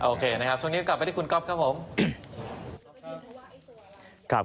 โอเคนะครับช่วงนี้กลับไปที่คุณก๊อฟครับผม